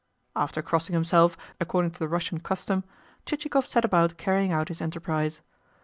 After crossing himself, according to the Russian custom, Chichikov set about carrying out his enterprise.